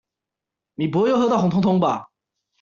你不會又喝到紅通通吧？